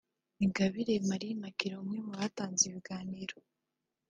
Ingabire Marie Immaculee umwe mu batanze ibiganiro